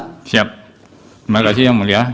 siap terima kasih yang mulia